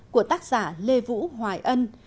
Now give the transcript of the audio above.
của tác giả lê vũ hoài ân